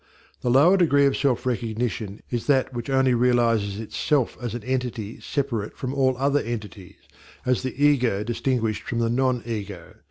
The lower degree of self recognition is that which only realizes itself as an entity separate from all other entities, as the ego distinguished from the non ego.